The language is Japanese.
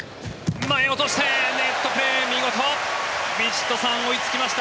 前に落としてネットプレー見事。ヴィチットサーン追いつきました。